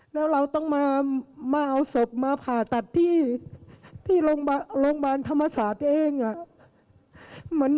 แล้วเราต้องมาเอาศพมาผ่าตัดที่โรงพยาบาลธรรมศาสตร์เอง